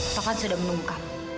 taufan sudah menunggukamu